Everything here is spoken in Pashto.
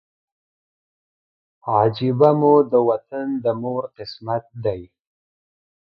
عجیبه مو د وطن د مور قسمت دی